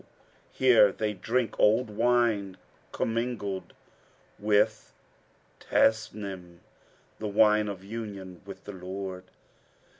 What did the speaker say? here they drink old wine commingled with * Tasnνm,[FN#473] the wine of union with the Lord.